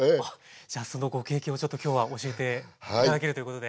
じゃそのご経験をちょっと今日は教えて頂けるということで。